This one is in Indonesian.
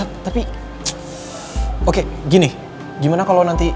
papa kecewa berat sama kamu